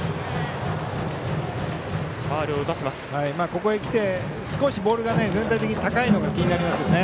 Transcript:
ここにきて少しボールが全体的に高いのが気になりますよね。